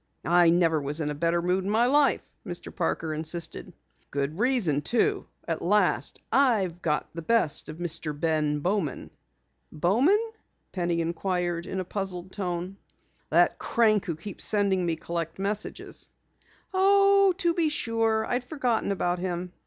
"I never was in a better mood in my life," Mr. Parker insisted. "Good reason, too. At last I've got the best of Mr. Ben Bowman!" "Bowman?" Penny inquired in a puzzled tone. "That crank who keeps sending me collect messages." "Oh, to be sure! I'd forgotten about him."